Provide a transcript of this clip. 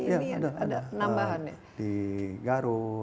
ada penambahan ya